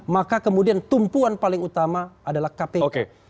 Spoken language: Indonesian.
maka kemudian tumpuan paling utama adalah kpk